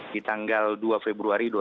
di tanggal dua februari dua ribu lima belas